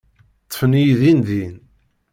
Ṭṭfen-iyi din din.